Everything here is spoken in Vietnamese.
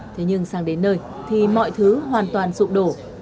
thế nhưng sang đến nơi thì mọi thứ hoàn toàn sụp đổ